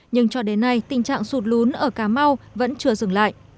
nhưng cho đến nay tình trạng sụt lún ở cà mau vẫn chưa dừng lại